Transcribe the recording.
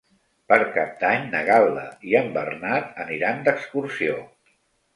Per Cap d'Any na Gal·la i en Bernat aniran d'excursió.